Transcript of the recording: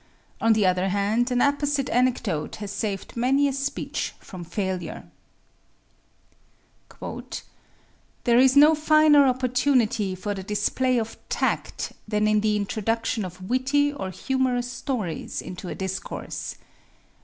On the other hand, an apposite anecdote has saved many a speech from failure. "There is no finer opportunity for the display of tact than in the introduction of witty or humorous stories into a discourse.